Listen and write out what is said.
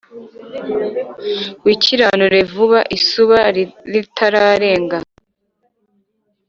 Wikiranure vuba isuba ritararenga